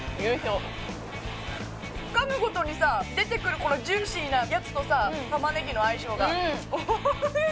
噛むごとにさ出てくるこのジューシーなやつとさタマネギの相性がおいしい！